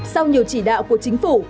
sau nhiều chỉ đạo của chính phủ